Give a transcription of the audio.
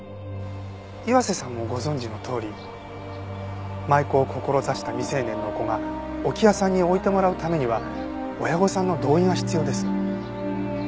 岩瀬さんもご存じのとおり舞妓を志した未成年の子が置屋さんに置いてもらうためには親御さんの同意が必要です。